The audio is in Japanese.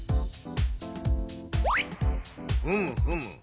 ふむふむ。